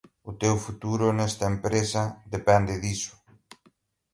O teu futuro nesta empresa depende diso.